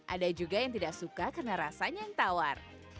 ada juga yang tidak suka karena rasanya yang tawar